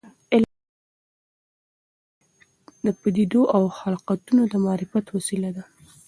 علم د ټولې نړۍ د پدیدو او خلقتونو د معرفت وسیله ده.